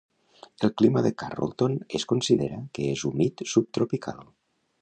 El clima de Carrollton es considera que és humit subtropical.